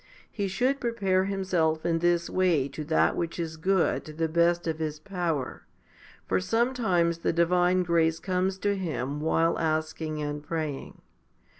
He should prepare himself in this way to that which is good to the best of his power ; for sometimes the divine grace comes to him while asking and praying.